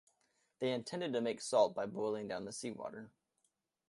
They intended to make salt by boiling down the sea water.